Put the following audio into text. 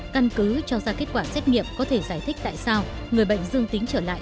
căn cứ cho ra kết quả xét nghiệm có thể giải thích tại sao người bệnh dương tính trở lại